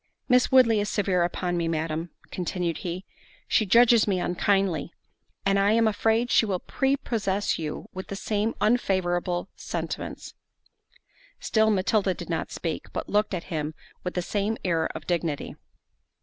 "Miss Woodley is severe upon me, Madam," continued he, "she judges me unkindly; and I am afraid she will prepossess you with the same unfavourable sentiments." Still Matilda did not speak, but looked at him with the same air of dignity.